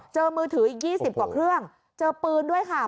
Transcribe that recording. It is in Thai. มือถืออีก๒๐กว่าเครื่องเจอปืนด้วยค่ะ